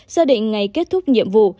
gia định ngày kết thúc nhiệm vụ